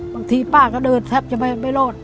บางทีป้าก็เดินแทบจะไม่รอด